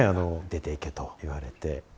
出て行けと言われて。